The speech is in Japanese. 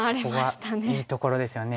そこはいいところですよね。